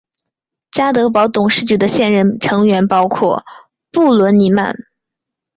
家得宝董事局的现任成员包括布伦尼曼。